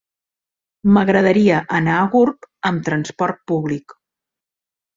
M'agradaria anar a Gurb amb trasport públic.